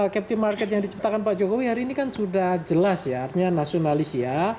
captive market yang diciptakan pak jokowi hari ini kan sudah jelas ya artinya nasionalis ya